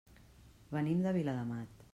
Venim de Viladamat.